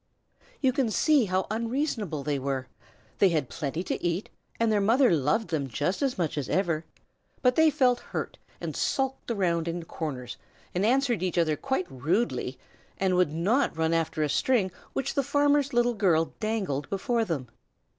You can see how unreasonable they were. They had plenty to eat, and their mother loved them just as much as ever, but they felt hurt and sulked around in corners, and answered each other quite rudely, and would not run after a string which the farmer's little girl dangled before them.